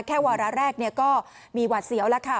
แค่วาละแรกก็มีหวัดเสียวล่ะค่ะ